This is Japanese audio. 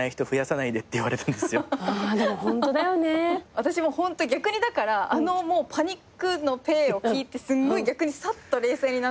私も逆にだからあのパニックのぺえを聞いて逆にさっと冷静になって。